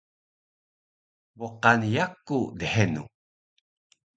bqani yaku dhenu